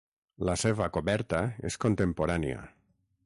La seva coberta és contemporània.